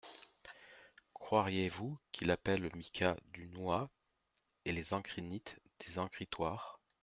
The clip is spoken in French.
Croiriez-vous qu’il appelle le mica du nouhat et les encrinites des encritoires ?